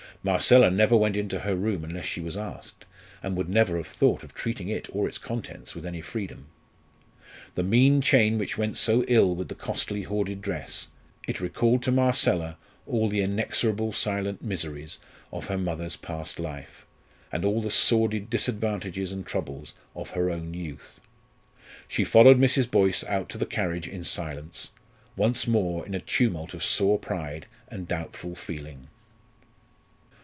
Marcella never went into her room unless she was asked, and would never have thought of treating it or its contents with any freedom. The mean chain which went so ill with the costly hoarded dress it recalled to Marcella all the inexorable silent miseries of her mother's past life, and all the sordid disadvantages and troubles of her own youth. She followed Mrs. Boyce out to the carriage in silence once more in a tumult of sore pride and doubtful feeling.